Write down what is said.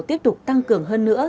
tiếp tục tăng cường hơn nữa